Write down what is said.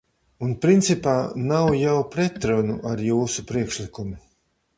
Un principā nav jau pretrunu ar jūsu priekšlikumu.